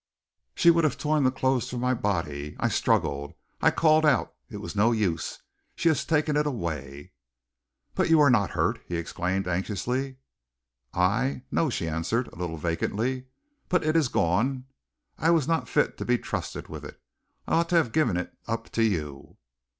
She would have torn the clothes from my body. I struggled. I called out. It was no use. She has taken it away." "But you are not hurt?" he exclaimed anxiously. "I no!" she answered, a little vacantly. "But it is gone! I was not fit to be trusted with it. I ought to have given it up to you."